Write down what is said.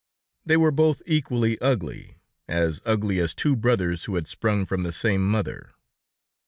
They were both equally ugly, as ugly as two brothers who had sprung from the same mother.